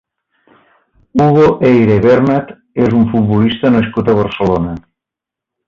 Hugo Eyre Bernat és un futbolista nascut a Barcelona.